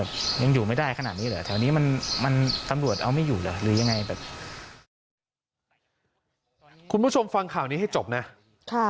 คุณผู้ชมฟังข่าวนี้นี่ให้จบนี่กั๊ะ